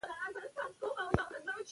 دا وسایل فرش پاکوي.